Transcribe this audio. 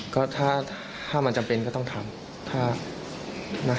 ก็ถ้ามันจำเป็นก็ต้องทำ